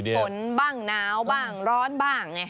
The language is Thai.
เดี๋ยวฝนบ้างน้าวบ้างร้อนบ้าง